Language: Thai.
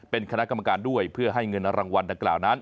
เป็นคณะกรรมการด้วยเพื่อให้เงินรางวัลดังกล่าวนั้น